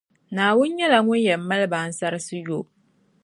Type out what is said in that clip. Naawuni nyεla ŋun yεn mali ba ansarisi yo.